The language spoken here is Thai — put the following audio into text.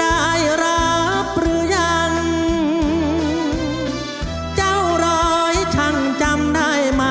ได้รับหรือยังเจ้าร้อยช่างจำได้ไหม